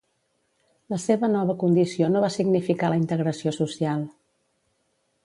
La seva nova condició no va significar la integració social.